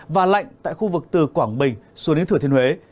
và lạnh tại khu vực từ quảng bình xuống đến thừa thiên huế